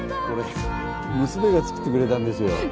これ娘が作ってくれたんですよ